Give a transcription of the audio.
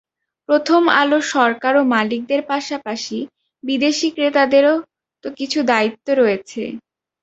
প্রথম আলো সরকার ও মালিকদের পাশাপাশি বিদেশি ক্রেতাদেরও তো কিছু দায়িত্ব রয়েছে।